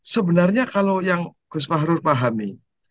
sebenarnya kalau yang gus fahrul pahami